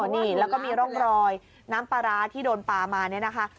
นี่แล้วก็มีร่องรอยน้ำปลาร้าที่โดนปลามาเนี่ยนะคะ